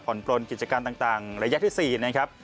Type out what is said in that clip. ปลนกิจการต่างระยะที่๔นะครับ